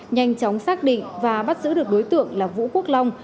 nhanh chóng xác định và bắt giữ được đối tượng là vũ quốc long